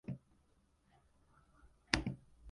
地下深くにこんな施設があったなんて